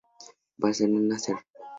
Barcelona, Ser.